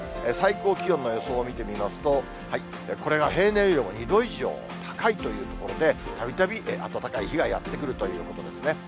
最高気温の予想を見てみますと、これが平年よりも２度以上高いというところで、たびたび暖かい日がやって来るということですね。